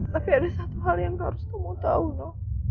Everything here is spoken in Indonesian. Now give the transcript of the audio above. tapi ada satu hal yang harus kamu tahu no